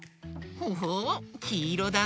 ほほうきいろだね。